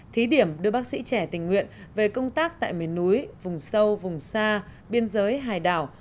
thí điểm đưa bác sĩ trẻ tình nguyện về công tác tại miền núi vùng sâu vùng xa biên giới hải đảo